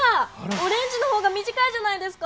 オレンジの方がみじかいじゃないですか！